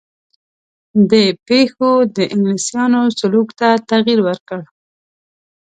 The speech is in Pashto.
دې پېښو د انګلیسیانو سلوک ته تغییر ورکړ.